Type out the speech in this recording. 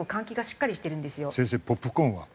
先生ポップコーンは？